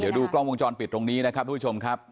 เดี๋ยวดูกล้องวงจรปิดตรงนี้นะครับทุกผู้ชมครับ